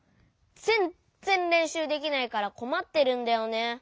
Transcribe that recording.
ぜんっぜんれんしゅうできないからこまってるんだよね。